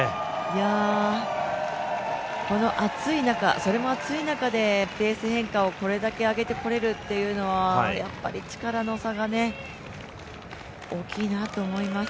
この暑い中でペース変化をこれだけ上げてこれるというのは力の差が大きいなと思います。